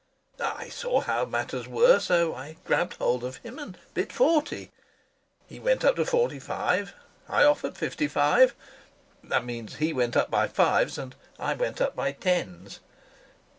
I saw how matters were, so I grabbed hold of him and bid forty. He went up to forty five, I offered fifty five. That means he went up by fives and I went up by tens....